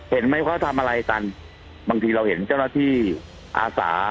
เห็นไหมเขาทำอะไรกันบางทีเราเห็นเจ้าหน้าที่อาสา